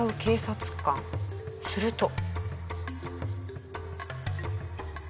すると。